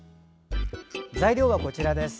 材料はこちらです。